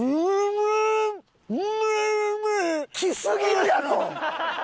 木すぎるやろ！